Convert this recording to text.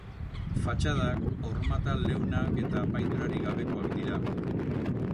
Fatxadak hormatal leunak eta apaindurarik gabekoak dira.